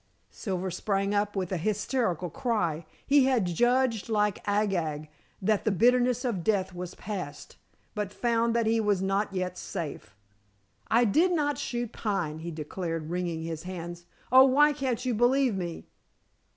Silver sprang up with a hysterical cry. He had judged like Agag that the bitterness of death was past, but found that he was not yet safe. "I did not shoot Pine," he declared, wringing his hands. "Oh, why can't you believe me."